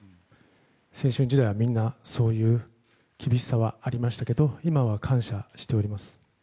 青春時代は、みんなそういう厳しさはありましたけど今は感謝しております。